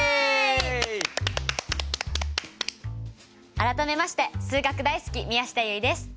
改めまして数学大好き宮下結衣です。